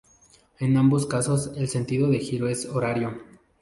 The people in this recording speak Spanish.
En ambos casos, el sentido de giro es horario.